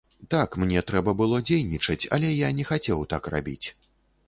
Так мне трэба было дзейнічаць, але я не хацеў так рабіць.